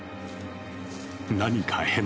何か変だ。